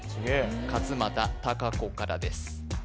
勝間田貴子からです